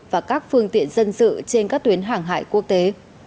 và các phương tiện dân sự trên các tuyến hàng hải quốc tế